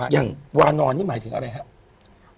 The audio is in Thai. อย่างวานอนที่หมายถึงอะไรมาตรงนั้นครับ